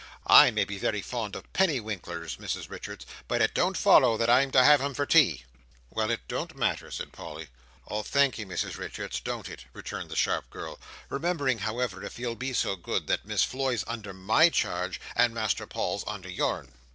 "I may be very fond of pennywinkles, Mrs Richards, but it don't follow that I'm to have 'em for tea." "Well, it don't matter," said Polly. "Oh, thank'ee, Mrs Richards, don't it!" returned the sharp girl. "Remembering, however, if you'll be so good, that Miss Floy's under my charge, and Master Paul's under your'n."